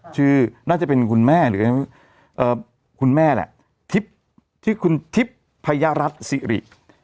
น่าจะเป็นคุณแม่หรือคุณแม่แหละทิพย์ชื่อคุณทิพย์พญารัฐสิริ